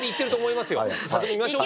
先見ましょうか。